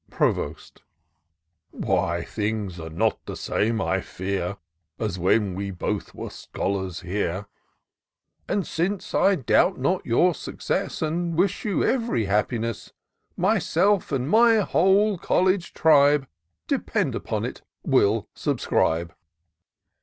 I 52 TOUR OF DOCTOR SYNTAX Provost. " Why, things are not the same, I fear, As when we both were scholars here ; But still I doubt not your success, And wish you ev'ry happiness ; Myself, and my whole college tribe. Depend upon it, will subscribe."